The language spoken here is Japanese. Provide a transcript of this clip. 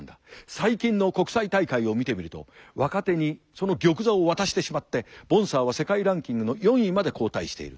最近の国際大会を見てみると若手にその玉座を渡してしまってボンサーは世界ランキングの４位まで後退している。